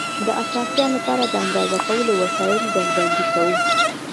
د اسانتیا لپاره د اندازه کولو وسایل ډلبندي کوو.